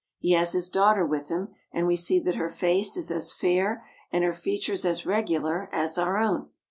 He has his daughter with him, and we see that her face is as fair and her features as regular as our own.